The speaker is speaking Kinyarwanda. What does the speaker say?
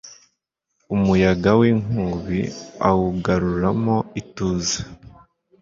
umuyaga w'inkubi awugaruramo ituze